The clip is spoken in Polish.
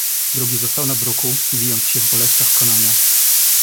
"Drugi został na bruku, wijąc się w boleściach konania."